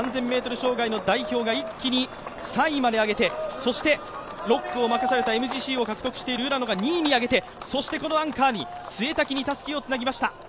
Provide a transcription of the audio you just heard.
障害代表が一気に３位まで上げて、６区を任されたＭＧＣを獲得している浦野が２位に上げてそしてこのアンカーに、潰滝にたすきをつなぎました。